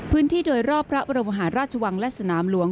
พื้นที่โดยรอบพระบรมหาราชวังและสนามหลวง